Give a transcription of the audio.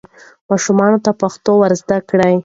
ماشومانو ته پښتو ور زده کړئ.